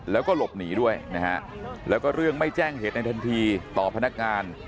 แล้วก็หลบหนีด้วยนะฮะแล้วก็เรื่องไม่แจ้งเหตุในทันทีต่อพนักงาน